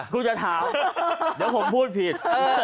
คุณจะถามเดี๋ยวผมพูดผิด